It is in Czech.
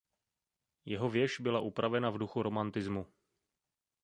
Jeho věž byla upravena v duchu romantismu.